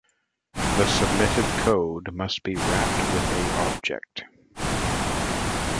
The submitted code must be wrapped with a object.